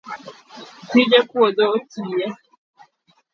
tije puodho otiye